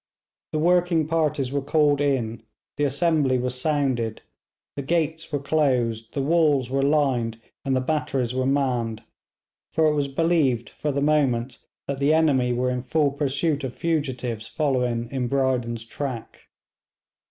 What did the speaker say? The working parties were called in, the assembly was sounded, the gates were closed, the walls were lined, and the batteries were manned; for it was believed for the moment that the enemy were in full pursuit of fugitives following in Brydon's track.